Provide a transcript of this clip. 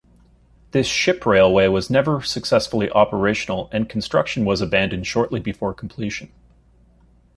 This ship railway was never successfully operational, and construction was abandoned shortly before completion.